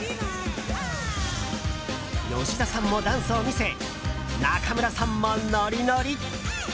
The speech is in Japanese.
吉田さんもダンスを見せ中村さんもノリノリ！